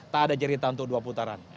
tak ada cerita untuk dua putaran